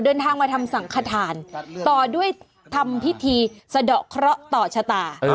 เดินทางมาทำสังขทานต่อด้วยทำพิธีสะดอกเคราะห์ต่อชะตา